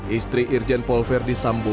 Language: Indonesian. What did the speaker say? istri irjen paul verdi sambo